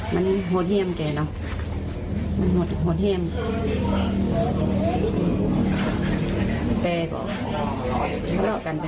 มันโหดเหี่ยมแก่เรา